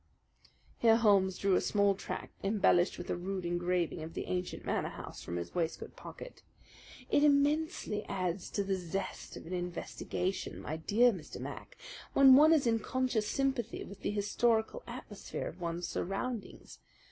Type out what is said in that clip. Here Holmes drew a small tract, embellished with a rude engraving of the ancient Manor House, from his waistcoat pocket. "It immensely adds to the zest of an investigation, my dear Mr. Mac, when one is in conscious sympathy with the historical atmosphere of one's surroundings.